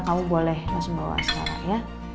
kamu boleh langsung bawa sekarang ya